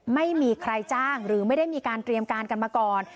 ไม่มีใครจ้างหรือไม่ได้มีการเตรียมการกันมาก่อน